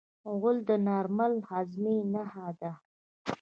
غول د نارمل هاضمې نښه ده.